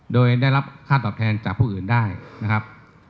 โดยได้รับค่าตอบแทนจากผู้อื่นได้นะครับ